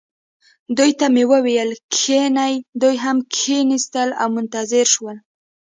دوی ته مې وویل: کښینئ. دوی هم کښېنستل او منتظر شول.